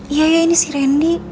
iya ini si rendi